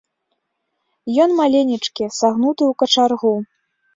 Ён маленечкі, сагнуты ў качаргу.